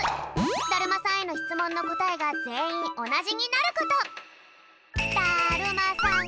だるまさんへのしつもんのこたえがぜんいんおなじになること。